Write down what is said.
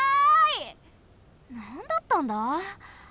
なんだったんだ？